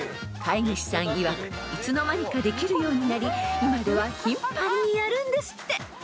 ［飼い主さんいわくいつの間にかできるようになり今では頻繁にやるんですって］